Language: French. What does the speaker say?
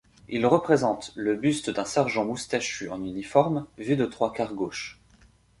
Il représente le buste d'un sergent moustachu en uniforme vu de trois quart gauche.